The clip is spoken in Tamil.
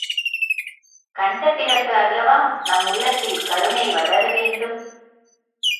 கண்ட பிறகு அல்லவா நம் உள்ளத்தில் கருணை வளர வேண்டும்?